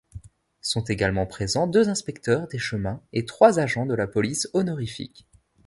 Sont également présents deux inspecteurs des chemins et trois agents de la police honorifique.